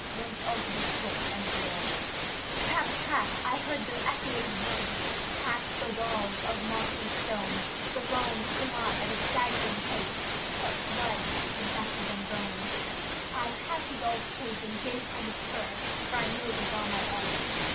Once over this brook and rail. 326 THE TREASURE CHEST Trap! Trap! I heard their echoing hoofs Past the walls of mossy stone, The roan flew on at a staggering pace, But blood is better than bone. I patted old Kate, and gave her the spur, For I knew it was all my own.